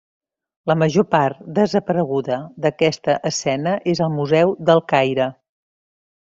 La major part desapareguda d'aquesta escena és al Museu del Caire.